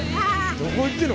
どこに行ってんの？